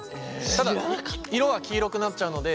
ただ色は黄色くなっちゃうので。